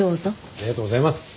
ありがとうございます！